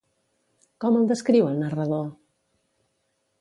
Com el descriu el narrador?